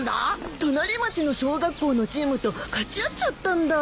隣町の小学校のチームとかち合っちゃったんだ。